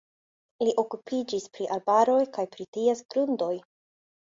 Li okupiĝis pri arbaroj kaj pri ties grundoj.